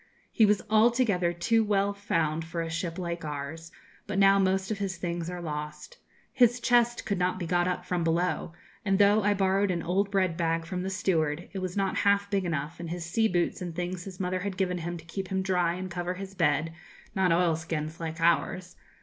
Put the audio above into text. He was altogether too well found for a ship like ours, but now most of his things are lost. His chest could not be got up from below, and though I borrowed an old bread bag from the steward, it was not half big enough, and his sea boots and things his mother had given him to keep him dry and cover his bed not oilskins, like ours.'